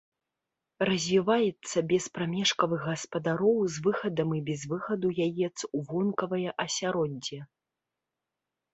Развіваецца без прамежкавых гаспадароў з выхадам і без выхаду яец у вонкавае асяроддзе.